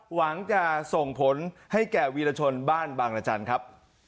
หวังจะส่งผลให้แก่วีรชนบ้านบางรจันทร์ครับ